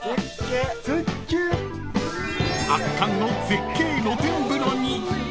［圧巻の絶景露天風呂に］